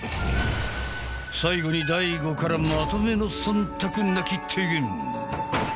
最後に大悟からまとめの忖度なき提言。